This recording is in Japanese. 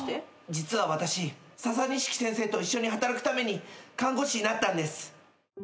実は私ササニシキ先生と一緒に働くために看護師になったんです。